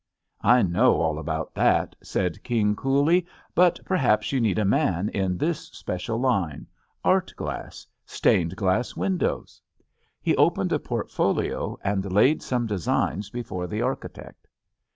I know all about that," said King coolly, "but perhaps you need a man in this special line — art glass, stained glass windows?" He opened a portfolio and laid some designs be fore the architect.